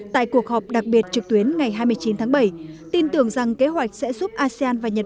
tại cuộc họp đặc biệt trực tuyến ngày hai mươi chín tháng bảy tin tưởng rằng kế hoạch sẽ giúp asean và nhật